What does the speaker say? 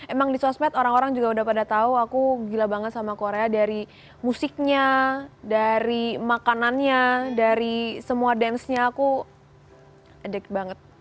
emang di sosmed orang orang juga udah pada tahu aku gila banget sama korea dari musiknya dari makanannya dari semua dance nya aku adik banget